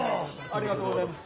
ありがとうございます。